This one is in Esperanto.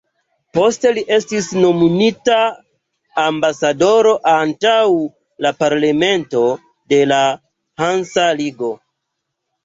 Poste li estis nomumita ambasadoro antaŭ la parlamento de la Hansa ligo.